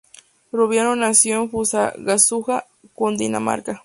Rubiano nació en Fusagasugá, Cundinamarca.